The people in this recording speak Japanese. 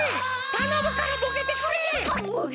たのむからボケてくれ！